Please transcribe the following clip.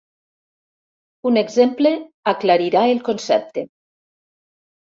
Un exemple aclarirà el concepte.